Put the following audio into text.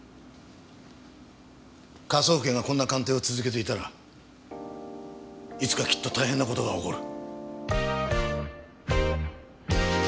科捜研がこんな鑑定を続けていたらいつかきっと大変な事が起こる。